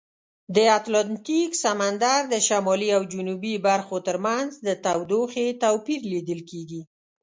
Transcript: د اتلانتیک سمندر د شمالي او جنوبي برخو ترمنځ د تودوخې توپیر لیدل کیږي.